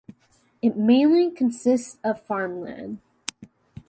It mainly consists of farmland.